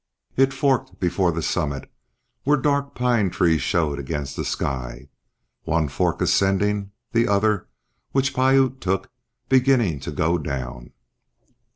It forked before the summit, where dark pine trees showed against the sky, one fork ascending, the other, which Piute took, beginning to go down.